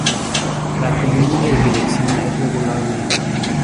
La columna de dirección es regulable.